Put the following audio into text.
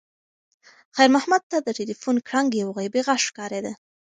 خیر محمد ته د تلیفون ګړنګ یو غیبي غږ ښکارېده.